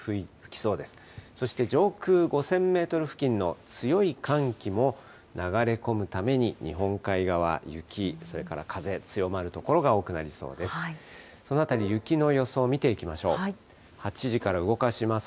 そして上空５０００メートル付近の強い寒気も流れ込むために、日本海側、雪、それから風、強まる所が多くなりそうです。